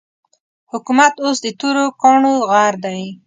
حکومت اوس د تورو کاڼو غر دی.